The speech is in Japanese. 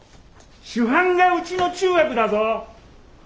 主犯がうちの中学だぞ！